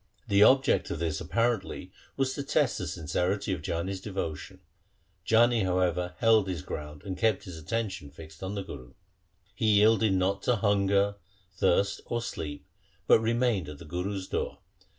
The object of this apparently was to test the sincerity of Jani's devotion. Jani, however, held his ground and kept his attention fixed on the Guru. He yielded not to hunger, thirst, or sleep, but remained at the Guru's door.